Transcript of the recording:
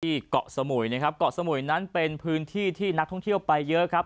เกาะสมุยนะครับเกาะสมุยนั้นเป็นพื้นที่ที่นักท่องเที่ยวไปเยอะครับ